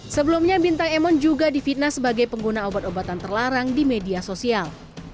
sebelumnya bintang emon juga difitnah sebagai pengguna obat obatan terlarang di media sosial